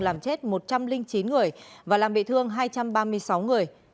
làm chết một trăm linh chín người và làm bị thương hai trăm ba mươi sáu người